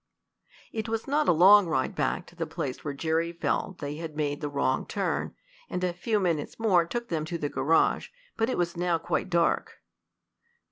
It was not a long ride back to the place where Jerry felt they had made the wrong turn, and a few minutes more took them to the garage. But it was now quite dark.